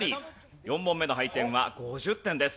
４問目の配点は５０点です。